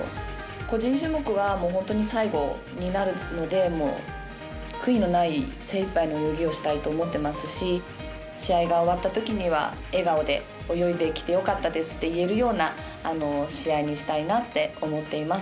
個人種目は本当に最後になるので悔いのない、精いっぱいの泳ぎをしたいと思っていますし試合が終わったときには笑顔で泳いできてよかったですと言えるような試合にしたいなと思っています。